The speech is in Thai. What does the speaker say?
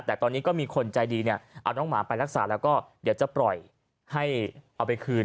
แต่ตอนนี้ก็มีคนใจดีเนี่ยเอาน้องหมาไปรักษาแล้วก็เดี๋ยวจะปล่อยให้เอาไปคืน